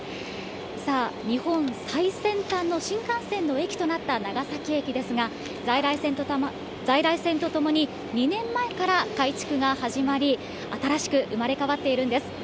さあ、日本最先端の新幹線の駅となった長崎駅ですが、在来線とともに、２年前から改築が始まり、新しく生まれ変わっているんです。